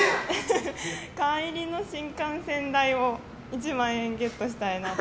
帰りの新幹線代を１万円ゲットしたいなと。